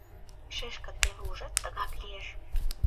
— Шешке, теве ужат, тыгак лиеш.